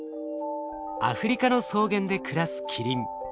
アフリカの草原で暮らすキリン。